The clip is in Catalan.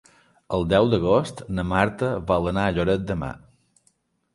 El deu d'agost na Marta vol anar a Lloret de Mar.